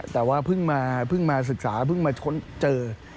แต่ว่าเพิ่งมาศึกษาเพิ่งมาเจอ